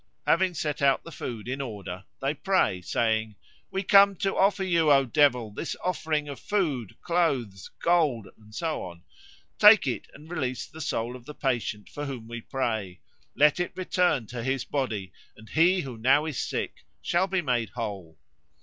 Having set out the food in order they pray, saying: "We come to offer to you, O devil, this offering of food, clothes, gold, and so on; take it and release the soul of the patient for whom we pray. Let it return to his body, and he who now is sick shall be made whole."